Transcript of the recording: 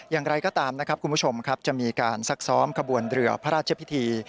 อย่างไรก็ตามนะครับคุณผู้ชมครับจะมีการซักซ้อมขบวนเรือพระราชพิธี